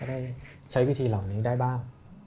ได้ใช้วิธีเหล่านี้ได้บ้าง